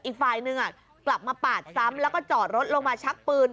อีกฝ่ายนึงกลับมาปาดซ้ำแล้วก็จอดรถลงมาชักปืน